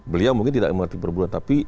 beliau mungkin tidak emang tipu buruan tapi